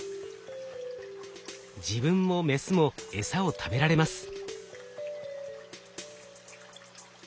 自分もメスもエサを食べられます。